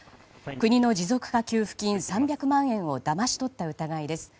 国の持続化給付金３００万円をだまし取った疑いです。